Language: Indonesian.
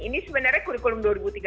ini sebenarnya kurikulum dua ribu tiga belas